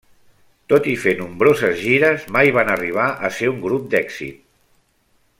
Tot i fer nombroses gires, mai van arribar a ser un grup d'èxit.